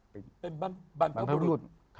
เป็นบรรพบุรุษ